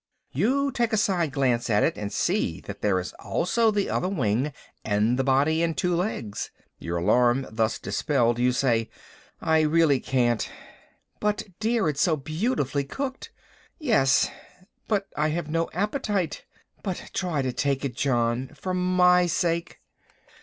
You take a side glance at it, and see that there is also the other wing and the body and two legs. Your alarm thus dispelled, you say "I really can't." "But, dear, it is so beautifully cooked." "Yes; but I have no appetite." "But try to take it, John, for my sake."